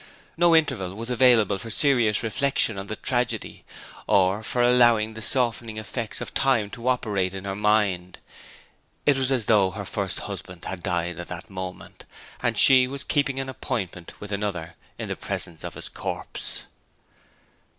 No interval was available for serious reflection on the tragedy, or for allowing the softening effects of time to operate in her mind. It was as though her first husband had died that moment, and she was keeping an appointment with another in the presence of his corpse.